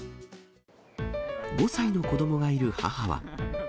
５歳の子どもがいる母は。